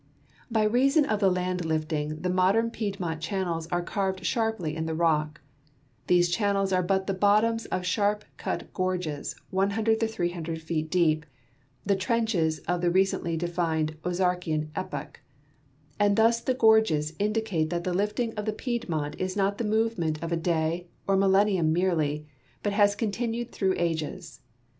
By reason of the land lifting the modern Piedmont channels are carved sharply in the rock; these chan nels are but the bottoms of sharp cut gorges 100 to 300 feet deep (the trenches of the recently defined Ozarkian epoch), and thus the gorges indicate that the lifting of the Piedmont is not the movement of a day or millenium merely, but has continued through ages.